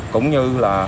cũng như là